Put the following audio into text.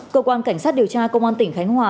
cơ quan cảnh sát điều tra công an tỉnh khánh hòa